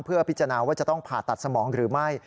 เพื่อพิจารณาว่าจะต้องผ่าตัดสมองหรือไม่